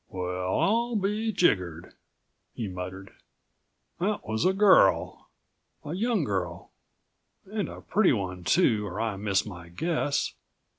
"Well, I'll be jiggered!" he muttered. "That was a girl, a young girl and a pretty one too, or I miss my guess.